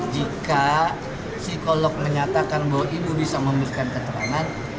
jika psikolog menyatakan bahwa ibu bisa memberikan keterangan